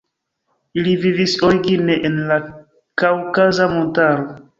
Ili vivis origine en la Kaŭkaza montaro.